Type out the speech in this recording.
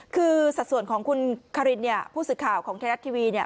คือสัดส่วนของคุณคารินเนี่ยผู้สื่อข่าวของไทยรัฐทีวีเนี่ย